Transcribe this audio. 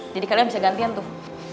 jadi kalian bisa gantian tuh